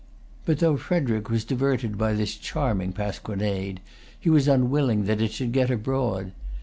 But though Frederic was diverted by this charming pasquinade, he was unwilling that it should get abroad.